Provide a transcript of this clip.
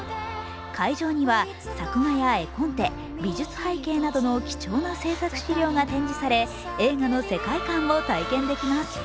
会場には作画や絵コンテ、美術背景などの貴重な制作資料が展示され、映画の世界観を体験できます。